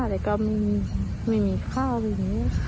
แต่ก็ไม่มีข้าวอย่างนี้